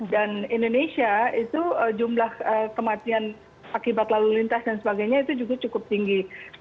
dan indonesia itu jumlah kematian akibat lalu lintas dan sebagainya itu juga cukup tinggi